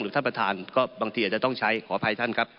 ท่านประธานก็บางทีอาจจะต้องใช้ขออภัยท่านครับ